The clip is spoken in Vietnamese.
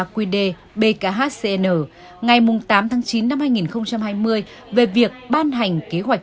bốn bảy ba qd bkhcn ngày tám chín hai nghìn hai mươi về việc ban hành kế hoạch